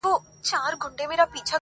د هندوستان و لور ته مه ځه.!